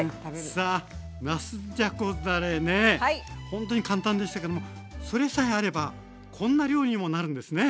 ほんとに簡単でしたけどもそれさえあればこんな料理にもなるんですね。